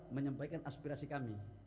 menyampaikan aspirasi kita